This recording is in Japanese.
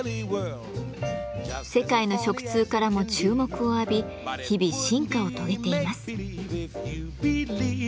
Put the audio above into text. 世界の食通からも注目を浴び日々進化を遂げています。